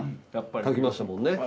炊きましたもんね。